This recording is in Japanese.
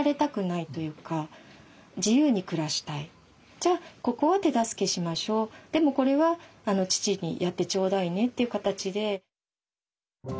じゃあここは手助けしましょうでもこれは父にやってちょうだいねという形で。